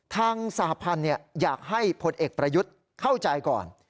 สหพันธ์อยากให้ผลเอกประยุทธ์เข้าใจก่อน